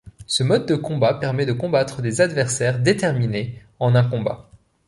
Ce mode de combat permet de combattre des adversaires déterminés en un combat.